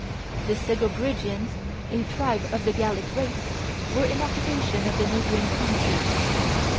The Segobrigians, a tribe of the Gallic race, were in occupation of the neighboring country.